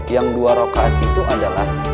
yang dua rokaat itu adalah